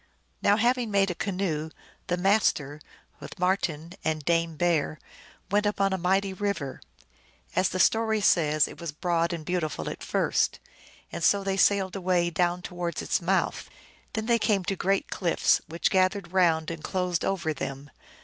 Now having made a canoe, the Master, with Marten and Dame Bear, went upon a mighty river. As the story says, it was broad and beautiful at first, and so they sailed away down towards its mouth. Then they came to great cliffs, which gathered round and closed over them.